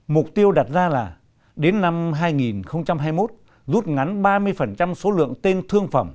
mục tiêu đặt ra là đến năm hai nghìn hai mươi một rút ngắn ba mươi số lượng tên thương phẩm